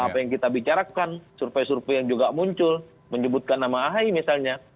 apa yang kita bicarakan survei survei yang juga muncul menyebutkan nama ahy misalnya